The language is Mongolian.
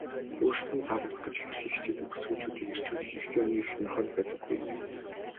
өөрсдөд нь таалагдах гэж хэтэрхий хичээдэг бүсгүйчүүдийг эрчүүд ихэнхдээ нэг их сонирхоод байдаггүй.